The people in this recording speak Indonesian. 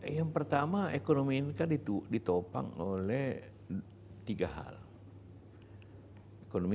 yang pertama ekonomi indonesia itu sudah dikeluarkan oleh pemerintah ini